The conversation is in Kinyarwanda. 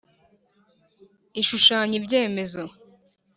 ishushanya ibyemezo